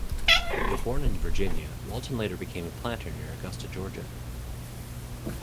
Though born in Virginia, Walton later became a planter near Augusta, Georgia.